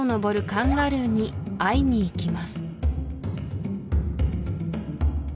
カンガルーに会いに行きます